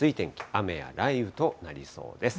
雨や雷雨となりそうです。